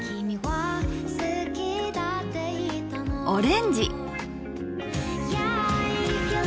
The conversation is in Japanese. オレンジ。